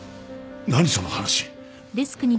何その話！？